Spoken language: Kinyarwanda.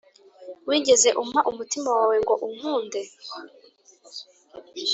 wigeze umpa umutima wawe ngo unkunde?